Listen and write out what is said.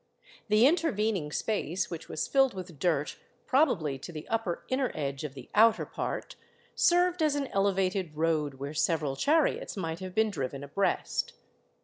The intervening space, which was filled with dirt probably to the upper inner edge of the outer part, served as an elevated road where several chariots might have been driven abreast.